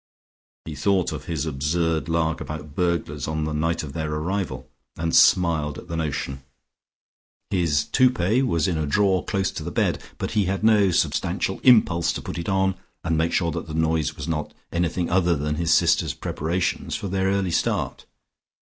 He thought of his absurd lark about burglars on the night of their arrival, and smiled at the notion. His toupet was in a drawer close to his bed, but he had no substantial impulse to put it on, and make sure that the noise was not anything other than his sisters' preparations for their early start.